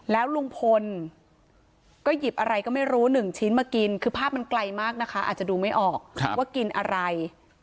แล้วลุงพลก็หยิบอะไรก็ไม่รู้หนึ่งชิ้นมากินคือภาพมันไกลมากนะคะอาจจะดูไม่ออกว่ากินอะไร